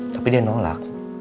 tapi dia nolak